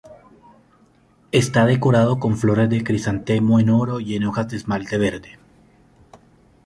Está decorado con flores de crisantemo en oro y hojas en esmalte verde.